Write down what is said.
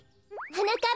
はなかっ